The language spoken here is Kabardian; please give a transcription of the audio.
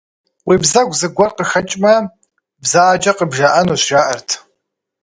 Уи бзэгу зыгуэр къыхэкӏмэ, бзаджэ къыбжаӏэнущ, жаӏэрт.